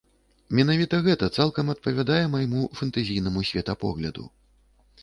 Менавіта гэта цалкам адпавядае майму фэнтэзійнаму светапогляду.